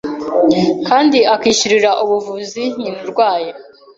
kandi akishyurira ubuvuzi nyina urwaye.